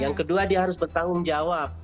yang kedua dia harus bertanggung jawab